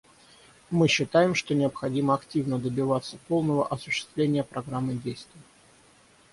Мы считаем, что необходимо активно добиваться полного осуществления Программы действий.